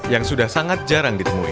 yang sudah sangat jarang ditemui